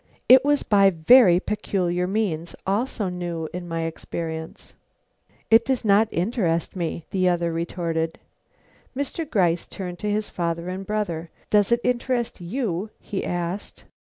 "It was by very peculiar means, also new in my experience." "It does not interest me," the other retorted. Mr. Gryce turned to his father and brother. "Does it interest you?" he asked.